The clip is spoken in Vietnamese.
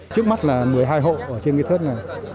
trước mắt là một mươi hai hộ ở trên cái thớt này